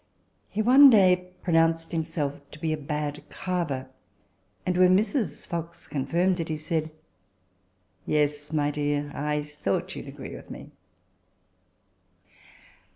He one day pronounced himself to be a bad carver, and, when Mrs. Fox confirmed it, he said, " Yes, my dear, I thought you'd agree with me."